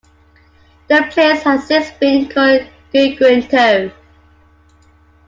The place has since been called Guiguinto.